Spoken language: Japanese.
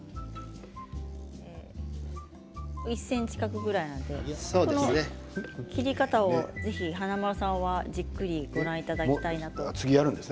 １ｃｍ角ぐらいこの切り方を華丸さんはじっくりご覧いただきたいなと思います。